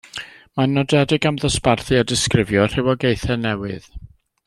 Mae'n nodedig am ddosbarthu a disgrifio rhywogaethau newydd.